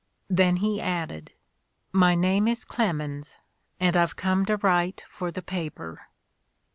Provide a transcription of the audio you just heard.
Then he added: "My name is Clemens, and I've come to write for the paper."